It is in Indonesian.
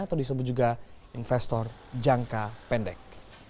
atau disebut juga investor jangka pendek